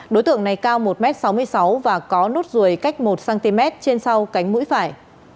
đối tượng này cao một m sáu mươi sáu và có nốt ruồi cách một cm trên sau cánh mũi phải